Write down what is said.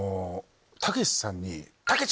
たけしさんに。